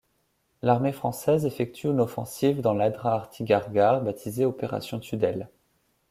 L'armée française effectue une offensive dans l'Adrar Tigharghar baptisée opération Tudelle.